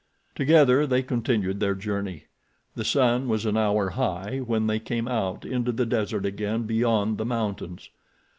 Together they continued their journey. The sun was an hour high when they came out into the desert again beyond the mountains.